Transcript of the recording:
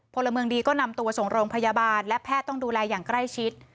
พลเมืองดีก็นำตัวส่งโรงพยาบาลและแพทย์ต้องดูแลอย่างใกล้ชิด